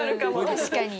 確かに。